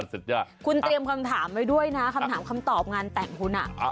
สุดยอดคุณเตรียมคำถามไว้ด้วยนะคำถามคำตอบงานแต่งคุณ